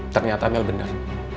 ternyata mel benar